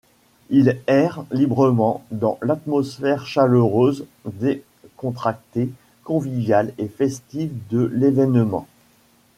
Ils errent librement dans l'atmosphère chaleureuse, décontractée, conviviale et festive de l’évènement.